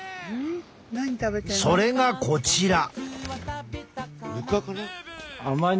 それがこちら。